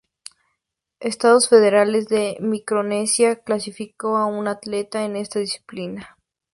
Estados Federados de Micronesia clasificó a un atleta en esta disciplina.